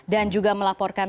dan juga melaporkan